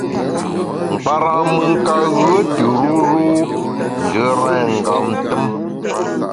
Nkpara’ mùn ka ghue tù ruru njù rèn ngam tùm.